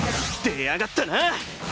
出やがったな！